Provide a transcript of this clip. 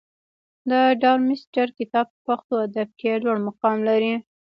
د ډارمستتر کتاب په پښتو ادب کښي لوړ مقام لري.